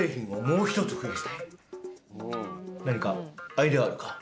何かアイデアはあるか？